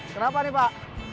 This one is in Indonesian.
kenapa nih pak